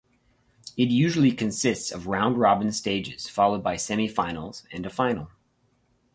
It usually consists of round-robin stages, followed by semi-finals and a final.